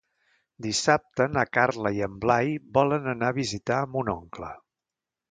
Dissabte na Carla i en Blai volen anar a visitar mon oncle.